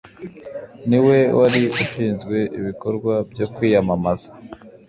Niwe wari ushinzwe ibikorwa byo kwiyamamaza